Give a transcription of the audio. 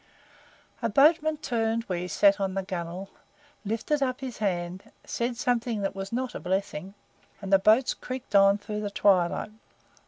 A boatman turned where he sat on the gunwale, lifted up his hand, said something that was not a blessing, and the boats creaked on through the twilight.